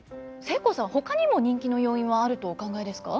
せいこうさんほかにも人気の要因はあるとお考えですか。